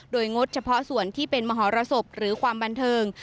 โดยงดเฉพาะส่วนที่เป็นมหรสบหรือความบันเทิง